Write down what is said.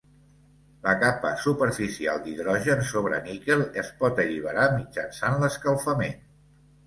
La capa superficial d'hidrogen sobre níquel es pot alliberar mitjançant l'escalfament.